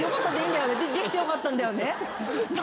できてよかったんだよね？